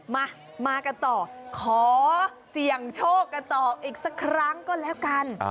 มามากันต่อขอเสี่ยงโชคกันต่ออีกสักครั้งก็แล้วกัน